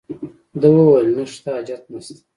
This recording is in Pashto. ده وویل نخښې ته حاجت نشته.